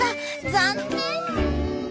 残念！